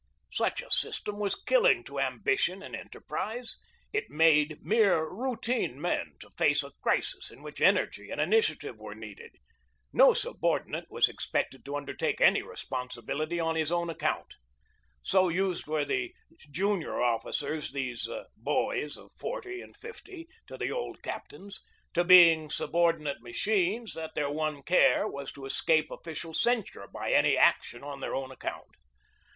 Such a system was killing to ambition and enter prise. It made mere routine men to face a crisis in which energy and initiative were needed. No subor dinate was expected to undertake any responsibility on his own account. So used were the junior officers these "boys" of forty and fifty to the old captains to being subordinate machines that their one care was to escape official censure by any action on their own account.